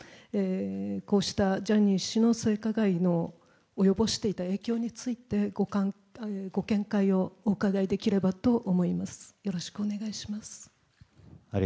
こうしたジャニー氏の性加害の及ぼしていた影響についてご見解をお伺いできればと思います